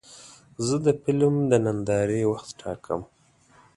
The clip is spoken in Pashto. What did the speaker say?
زه د فلم د نندارې وخت ټاکم.